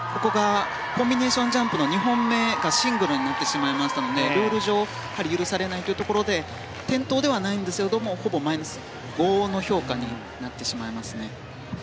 コンビネーションジャンプの２本目がシングルになってしまいましたのでルール上許されないというところで転倒ではないんですがマイナスの評価になってしまいますね。